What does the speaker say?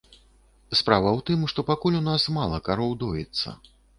Справа ў тым, што пакуль у нас мала кароў доіцца.